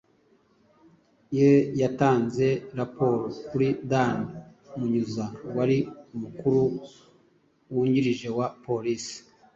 ye yatanze raporo kuri Dan Munyuza wari umukuru wungirije wa polisi,